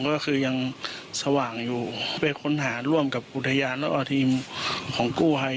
ก็คือยังสว่างอยู่ไปค้นหาร่วมกับอุทยานแล้วก็ทีมของกู้ภัย